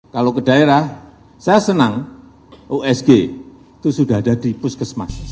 kalau ke daerah saya senang usg itu sudah ada di puskesmas